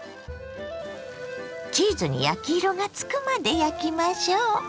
チーズに焼き色がつくまで焼きましょ。